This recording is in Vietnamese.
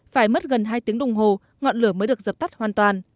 phải mất gần hai tiếng đồng hồ ngọn lửa mới được dập tắt hoàn toàn